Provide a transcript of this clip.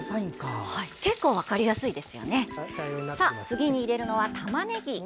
次に入れるのはたまねぎ。